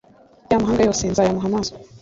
y amahanga yose nzayahuma amaso